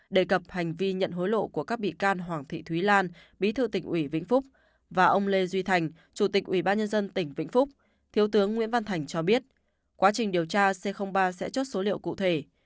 đề cập hành vi nhận hối lộ của các bị can hoàng thị thúy lan bí thư tỉnh ủy vĩnh phúc và ông lê duy thành chủ tịch ủy ban nhân dân tỉnh vĩnh phúc thiếu tướng nguyễn văn thành cho biết quá trình điều tra c ba sẽ chốt số liệu cụ thể